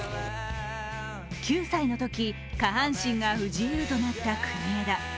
９歳のとき下半身が不自由となった国枝。